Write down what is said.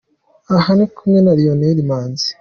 Aha ari kumwe na Lion Manzi.